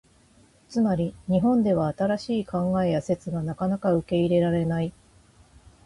つまり、日本では新しい考えや説がなかなか受け入れられない。